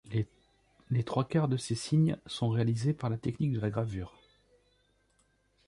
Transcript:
Les trois-quarts de ces signes sont réalisés par la technique de la gravure.